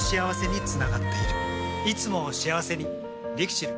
いつもを幸せにＬＩＸＩＬ。